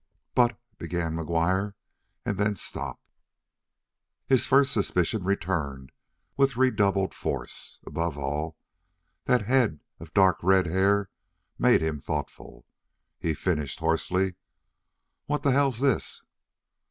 "But " began McGuire and then stopped. His first suspicion returned with redoubled force; above all, that head of dark red hair made him thoughtful. He finished hoarsely: "What the hell's this?"